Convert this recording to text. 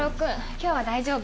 今日は大丈夫。